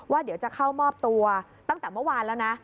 เดี๋ยวจะเข้ามอบตัวตั้งแต่เมื่อวานแล้วนะ